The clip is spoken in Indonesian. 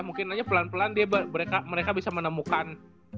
mungkin aja pelan pelan mereka bisa menemukan